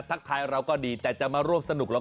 ทักทายเราก็ดีแต่จะมาร่วมสนุก